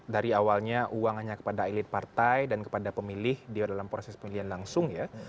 dari awalnya uang hanya kepada elit partai dan kepada pemilih dia dalam proses pemilihan langsung ya